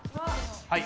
はい。